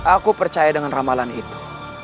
aku percaya dengan ramalan itu